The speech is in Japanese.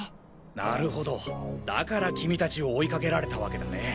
なるほどだから君たちを追いかけられたわけだね。